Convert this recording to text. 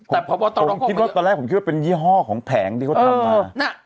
ตอนแรกผมคิดว่าเป็นยี่ห้อของแผงที่เขาทำมา